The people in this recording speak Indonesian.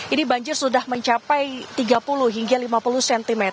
ini banjir sudah mencapai tiga puluh hingga lima puluh cm